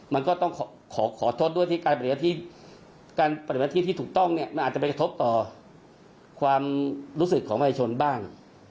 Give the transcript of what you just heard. มันก็ต้องขอโทษด้วยที่การปฏิบัติที่ถูกต้องมันอาจจะไปกระทบต่อความรู้สึกของประชาชนบ้าง